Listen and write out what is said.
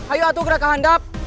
ayo atuh gerak kehandap